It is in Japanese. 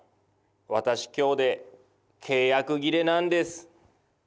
私今日で契約切れなんです。